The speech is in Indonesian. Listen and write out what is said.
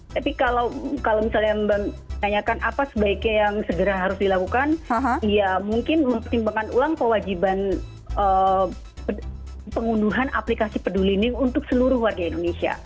tapi kalau misalnya menanyakan apa sebaiknya yang segera harus dilakukan ya mungkin mempertimbangkan ulang kewajiban pengunduhan aplikasi peduli lindung untuk seluruh warga indonesia